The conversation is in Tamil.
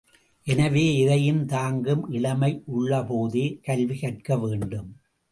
எனவே, எதையும் தாங்கும் இளமை உள்ள போதே கல்வி கற்கவேண்டும்.